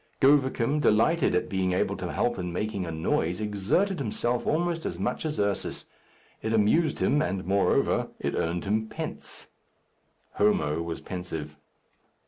Govicum, delighted at being able to help in making a noise, exerted himself almost as much as Ursus. It amused him, and, moreover, it earned him pence. Homo was pensive.